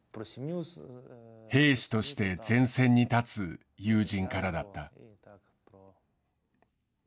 兵士として前線に立つ友人からだった。